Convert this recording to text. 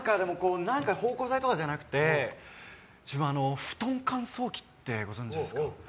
芳香剤とかじゃなくて布団乾燥機ってご存知ですか？